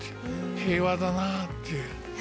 平和だなっていう。